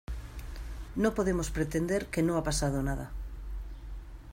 No podemos pretender que no ha pasado nada.